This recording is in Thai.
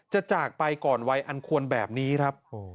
จากไปก่อนวัยอันควรแบบนี้ครับ